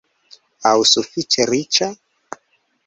aŭ sufiĉe riĉa?